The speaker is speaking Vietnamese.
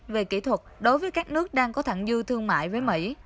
về kỹ thuật đối với các nước đang có thẳng dư thương mại với mỹ